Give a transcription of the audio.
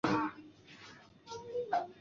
东日本桥站浅草线的铁路车站。